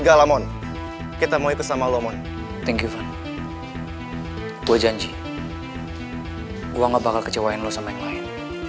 gue gak bakal kecewain lo sama yang lain